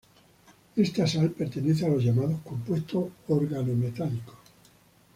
Esta sal, pertenece a los llamados compuestos organometálicos.